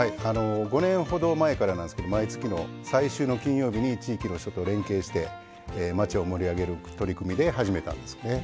５年ほど前からなんですけど毎月の最終の金曜日に地域の人と連携して街を盛り上げる取り組みで始めたんですよね。